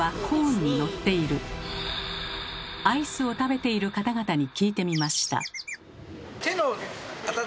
アイスを食べている方々に聞いてみました。